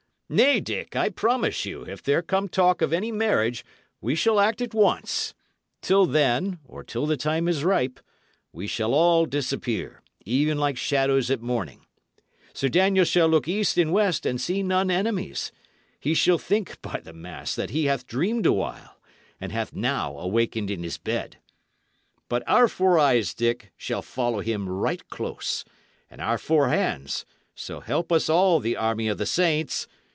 Nay, Dick, I promise you, if there come talk of any marriage we shall act at once; till then, or till the time is ripe, we shall all disappear, even like shadows at morning; Sir Daniel shall look east and west, and see none enemies; he shall think, by the mass, that he hath dreamed awhile, and hath now awakened in his bed. But our four eyes, Dick, shall follow him right close, and our four hands so help us all the army of the saints!